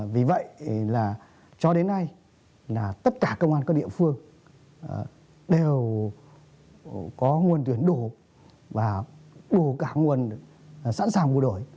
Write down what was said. vì vậy cho đến nay tất cả các công an các địa phương đều có nguồn tuyển đủ và đủ cả nguồn sẵn sàng vụ đổi